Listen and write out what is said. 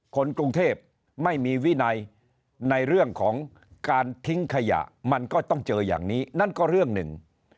คนกรุงเทพไม่มีวินัยในเรื่องของการทิ้งขยะมันก็ต้องเจออย่างนี้นั่นก็เรื่องหนึ่ง